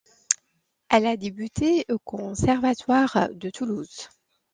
Elle a débuté au conservatoire de Toulouse.